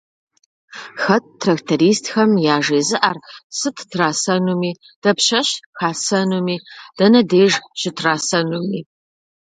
Хэт трактористхэм яжезыӏэр сыт трасэнуми, дапщэщ хасэнуми, дэнэ деж щытрасэнуми?